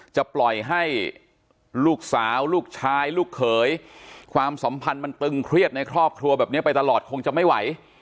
จะปล่อยให้ลูกสาวลูกชายลูกเขยความสัมพันธ์มันตึงเครียดในครอบครัวแบบนี้ไปตลอดคงจะไม่ไหว